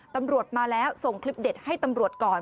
ตำรวจมาแล้วส่งคลิปเด็ดให้ตำรวจก่อน